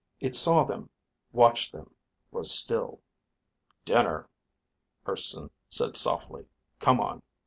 It saw them, watched them, was still. "Dinner," Urson said softly. "Come on."